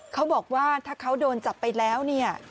เขาบอกว่าถ้าเขาโดนจับไปแล้วเนี่ย